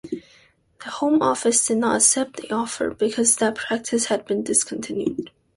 The Home Office did not accept the offer because that practice had been discontinued.